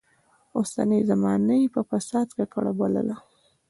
اوسنۍ زمانه يې په فساد ککړه بلله.